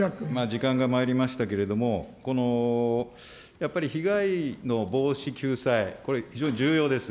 時間がまいりましたけれども、やっぱり、被害の防止救済、これ、非常に重要です。